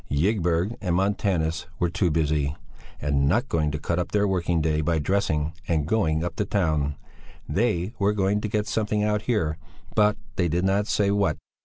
Ygberg and Montanus were too "busy" and "not going to cut up their working day" by "dressing and going up to town." They were going to get something out here, but they did not say what.